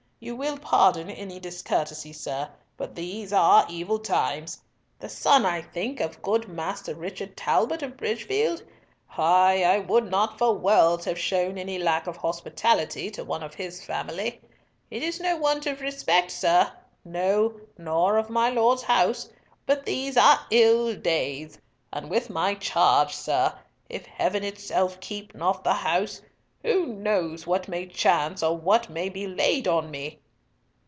You will pardon any discourtesy, sir, but these are evil times. The son, I think, of good Master Richard Talbot of Bridgefield? Ay, I would not for worlds have shown any lack of hospitality to one of his family. It is no want of respect, sir. No; nor of my Lord's house; but these are ill days, and with my charge, sir—if Heaven itself keep not the house—who knows what may chance or what may be laid on me?"